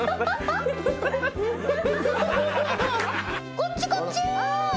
・こっちこっち！